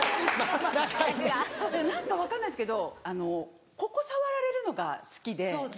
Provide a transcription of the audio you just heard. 何か分かんないですけどここ触られるのが好きで。